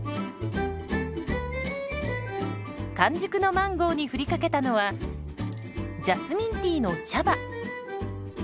完熟のマンゴーに振りかけたのはジャスミンティーの茶葉。